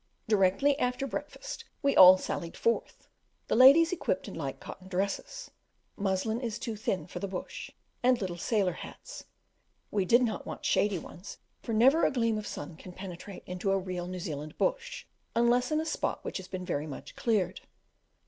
Directly after breakfast we all sallied forth, the ladies equipped in light cotton dresses (muslin is too thin for the bush) and little sailor hats, we did not want shady ones, for never a gleam of sun can penetrate into a real New Zealand Bush, unless in a spot which has been very much cleared.